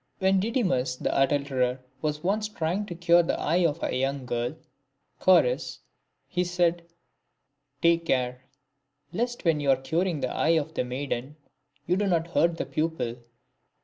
When Didymus the adulterer was once trying to cure the eye of a young girl (XOPTJS), he said, " Take care, lest when you are curing the eye of the maiden, you do not hurt the pupil."